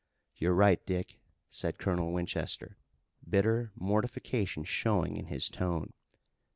"You're right, Dick," said Colonel Winchester, bitter mortification showing in his tone.